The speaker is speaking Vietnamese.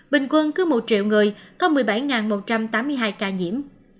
bình quân cứ một triệu người có một mươi bảy một trăm tám mươi hai ca nhiễm